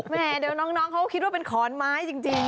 แม่เดี๋ยวน้องเขาคิดว่าเป็นขอนไม้จริง